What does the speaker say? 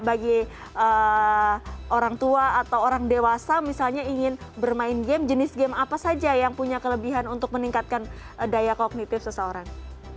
bagi orang tua atau orang dewasa misalnya ingin bermain game jenis game apa saja yang punya kelebihan untuk meningkatkan daya kognitif seseorang